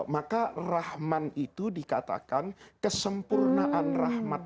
maka rahman itu dikatakan kesempurnaan dan kesemburnaan